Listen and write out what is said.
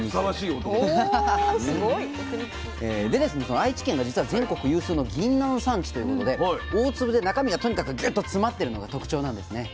その愛知県がじつは全国有数のぎんなん産地ということで大粒で中身がとにかくギュッと詰まってるのが特徴なんですね。